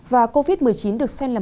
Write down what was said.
và covid một mươi chín được xem là